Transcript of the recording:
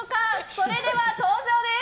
それでは、登場です！